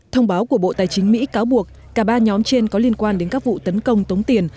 thông báo của bộ tài chính mỹ cáo buộc cả ba nhóm trên có liên quan đến các vụ tấn công tống tiền